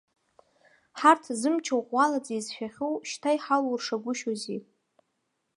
Ҳарҭ, зымч ӷәӷәалаӡа изшәахьоу, шьҭа иҳалуршагәышьози.